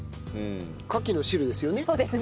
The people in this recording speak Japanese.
カキの汁ですよね？